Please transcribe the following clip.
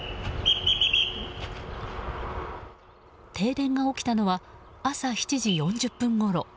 停電が起きたのは朝７時４０分ごろ。